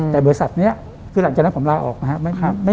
แต่บริษัทนี้คือหลังจากนั้นผมลาออกนะครับ